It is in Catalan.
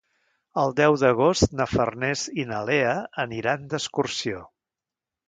El deu d'agost na Farners i na Lea aniran d'excursió.